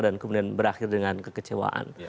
dan kemudian berakhir dengan kekecewaan